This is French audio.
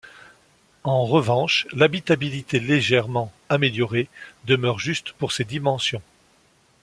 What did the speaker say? En revanche, l'habitabilité légèrement améliorée demeure juste pour ses dimensions.